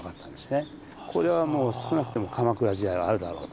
これはもう少なくとも鎌倉時代はあるだろうと。